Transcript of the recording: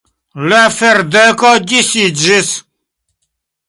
La ferdeko disiĝis.